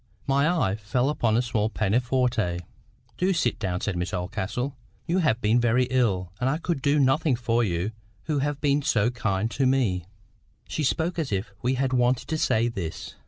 My eye fell upon a small pianoforte. "Do sit down," said Miss Oldcastle.—"You have been very ill, and I could do nothing for you who have been so kind to me." She spoke as if she had wanted to say this.